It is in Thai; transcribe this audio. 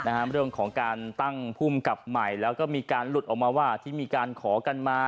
เรื่องของการตั้งภูมิกับใหม่แล้วก็มีการหลุดออกมาว่าที่มีการขอกันมา